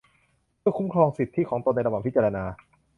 เพื่อคุ้มครองสิทธิของตนในระหว่างพิจารณา